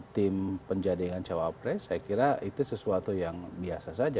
tim penjaringan cawapres saya kira itu sesuatu yang biasa saja